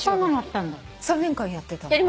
３年間やってた？